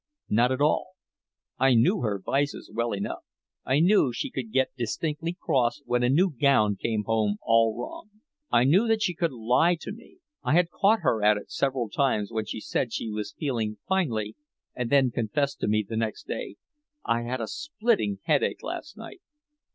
Not at all. I knew her vices well enough. I knew she could get distinctly cross when a new gown came home all wrong. I knew that she could lie to me, I had caught her at it several times when she said she was feeling finely and then confessed to me the next day, "I had a splitting headache last night."